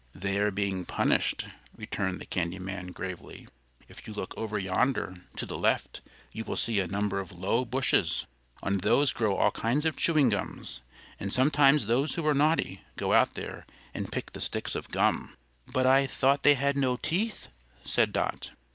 "They are being punished," returned the candy man, gravely. "If you look over yonder, to the left, you will see a number of low bushes. On these grow all kinds of chewing gums, and sometimes those who are naughty go out there and pick the sticks of gum." "But I thought they had no teeth," said Dot.